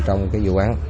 trong cái vụ án